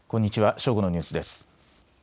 正午のニュースです。